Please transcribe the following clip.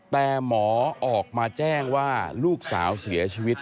แต่หมอออกมาแจ้งว่าลูกสาวเสียชีวิต